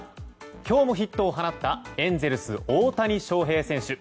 今日もヒットを放ったエンゼルス、大谷翔平選手。